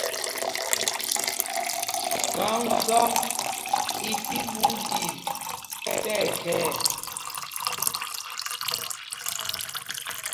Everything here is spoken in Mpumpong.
Thɔŋ zɔk i tí ɓuu ɗil tí ɛkhɛɛ.